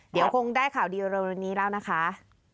เดี๋ยวคงได้ข่าวดีเร็วนี้แล้วนะคะ